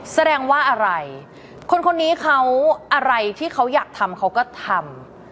แสดงว่าอะไรคนคนนี้เขาอะไรที่เขาอยากทำเขาก็ทำ